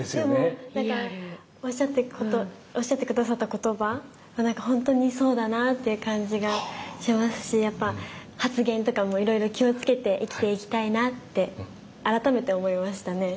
でもなんかおっしゃって下さった言葉は本当にそうだなという感じがしますしやっぱ発言とかもいろいろ気をつけて生きていきたいなって改めて思いましたね。